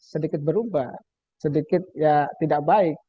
sedikit berubah sedikit ya tidak baik